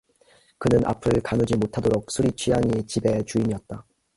그는 앞을 가누지 못하도록 술이 취한 이 집의 주인이었다.